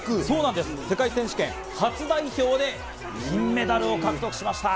世界選手権初代表で銀メダルを獲得しました。